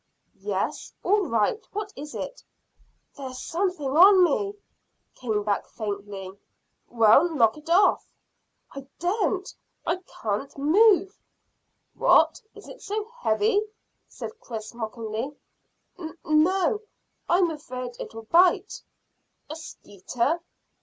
"Yes? All right! What is it?" "There's something on me," came back faintly. "Well, knock it off." "I daren't. I can't move." "What, is it so heavy?" said Chris mockingly. "N no. I'm afraid it'll bite." "A skeeter?"